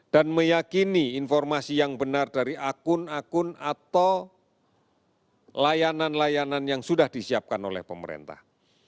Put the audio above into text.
meyakini informasi yang benar dari akun akun atau layanan layanan yang sudah disiapkan oleh pemerintah